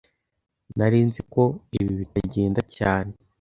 Nari nzi ko ibi bitagenda cyane